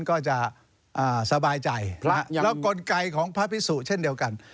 ก็จะสบายใจแล้วกลไกของพระพิสุเช่นเดียวกัน